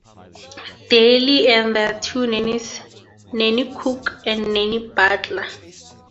Dearly and their two nannies, Nanny Cook and Nanny Butler.